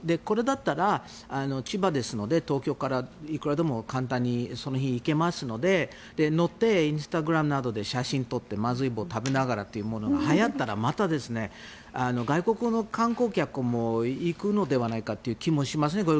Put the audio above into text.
これだったら千葉ですので東京からいくらでも簡単にその日、行けますので乗ってインスタグラムなどで写真を撮ってまずい棒を食べながらというのがはやったらまた外国の観光客も行くのではないかという気もしますね。